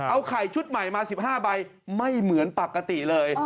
เอาไข่ชุดใหม่มา๑๕ใบไม่เหมือนปกติเลย